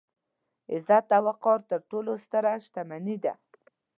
عزت او وقار تر ټولو ستره شتمني ده.